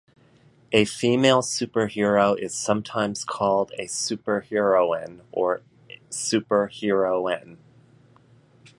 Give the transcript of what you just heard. A female superhero is sometimes called a superheroine or super heroine.